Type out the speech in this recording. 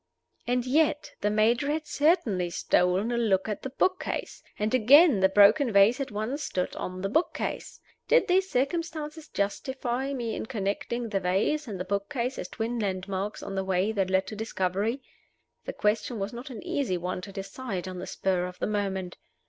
And yet the Major had certainly stolen a look at the book case. And again, the broken vase had once stood on the book case. Did these circumstances justify me in connecting the vase and the book case as twin landmarks on the way that led to discovery? The question was not an easy one to decide on the spur of the moment.